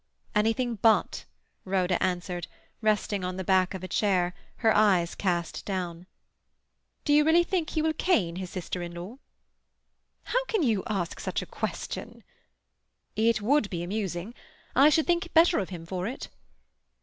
"Anything but," Rhoda answered, resting on the back of a chair, her eyes cast down. "Do you think he will really cane his sister in law?" "How can you ask such a question?" "It would be amusing. I should think better of him for it."